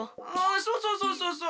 そうそうそうそうそう！